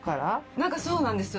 なんかそうなんですよ。